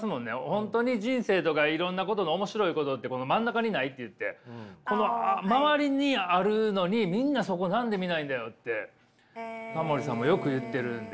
本当に人生とかいろんなことの面白いことってこの真ん中にないと言ってこの周りにあるのにみんなそこを何で見ないんだよってタモリさんもよく言ってるんで。